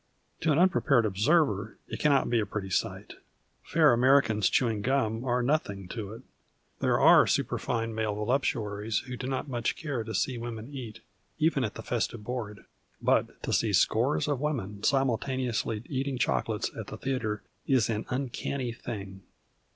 To an un prepared observer it cannot be a pretty sight. Fair Americans chewing gum are nothing to it. There are superfine male volu])tuaries who do not much care to see women eat, even at the festive board. But to see scores of women simultaneously eating chocolates at the theatre is an micanny thing.